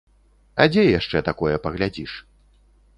А дзе яшчэ такое паглядзіш?